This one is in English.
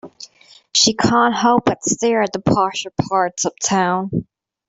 She can't help but to stare at the posher parts of town.